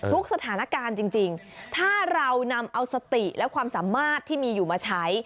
ทุกสถานการณ์จริงถ้าเรานำเอาสติและความสามารถที่มีอยู่มาใช้